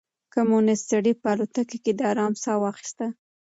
کمونيسټ سړي په الوتکه کې د ارام ساه واخيسته.